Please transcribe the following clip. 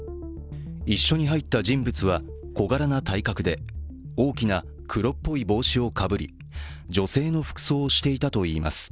一緒に入った人物は小柄な体格で大きな黒っぽい帽子をかぶり女性の服装をしていたといいます。